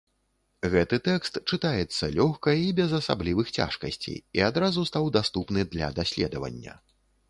Гэты тэкст чытаецца лёгка і без асаблівых цяжкасцей і адразу стаў даступны для даследавання.